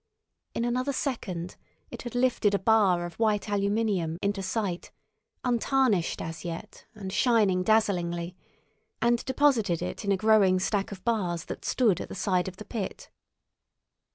In another second it had lifted a bar of white aluminium into sight, untarnished as yet, and shining dazzlingly, and deposited it in a growing stack of bars that stood at the side of the pit.